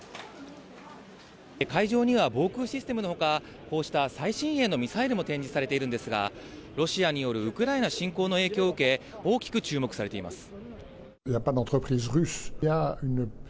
会場には防空システムのほか、こうした最新鋭のミサイルも展示されているんですが、ロシアによるウクライナ侵攻の影響を受け、大きく注目されています。